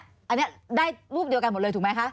อันนี้ได้รูปเดียวกันหมดเลยถูกไหมคะ